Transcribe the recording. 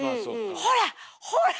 「ほら！ほら！」